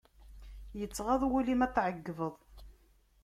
Yettɣaḍ wul-im ad t-ɛeggbeḍ.